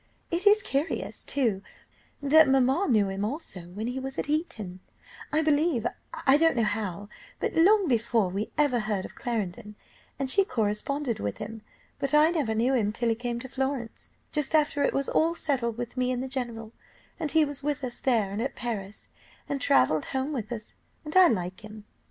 It is curious, too, that mamma knew him also when he was at Eton, I believe I don't know how, but long before we ever heard of Clarendon, and she corresponded with him, but I never knew him till he came to Florence, just after it was all settled with me and the general; and he was with us there and at Paris, and travelled home with us, and I like him.